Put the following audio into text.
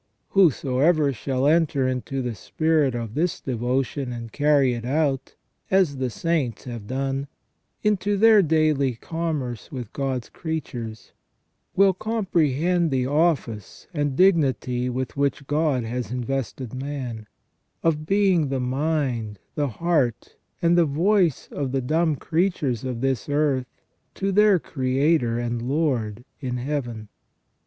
Whosoever shall enter into the spirit of this devotion and carry it out, as the saints have done, into their daily commerce with God's creatures, will comprehend the office and dignity with which God has invested man, of being the mind, the heart, and the voice of the dumb creatures of this earth to their Creator and Lord in Heaven.